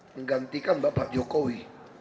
menggantikan bapak jokowi